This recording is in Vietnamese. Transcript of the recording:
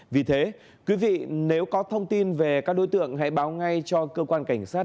vì thế quý vị nếu có thông tin về các đối tượng hãy báo ngay cho cơ quan cảnh sát